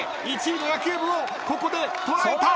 １位の野球部をここで捉えた！